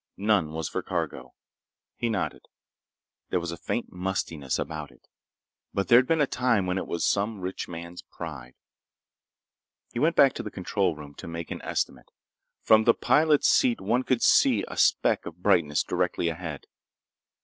None was for cargo. He nodded. There was a faint mustiness about it. But there'd been a time when it was some rich man's pride. He went back to the control room to make an estimate. From the pilot's seat one could see a speck of brightness directly ahead.